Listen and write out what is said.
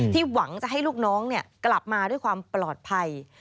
หวังจะให้ลูกน้องกลับมาด้วยความปลอดภัย